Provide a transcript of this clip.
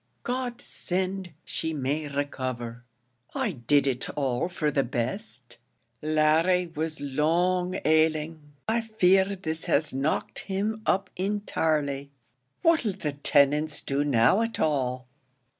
"God send she may recover! I did it all for the best. Larry was long ailing; I fear this has knocked him up intirely; what'll the tinants do now at all?